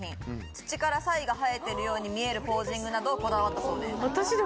土からサイが生えてるように見えるポージングなどこだわったそうです。